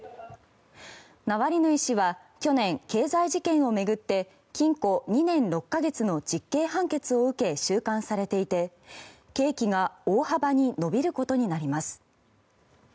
ナワリヌイ氏は去年経済事件を巡って禁錮２年６か月の実刑判決を受け収監されていて刑期が大幅に延びることになります。